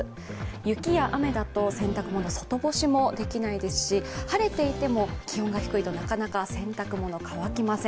雪や雨だと洗濯物の外干しもできないですし晴れていても気温が低いとなかなか洗濯物、乾きません。